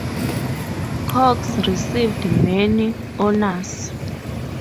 Cox received many honours.